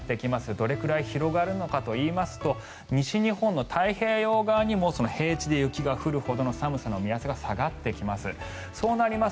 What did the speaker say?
どれくらい広がるのかといいますと西日本の太平洋側にも平地で雪が降るほどの寒さの目安が下がってきます。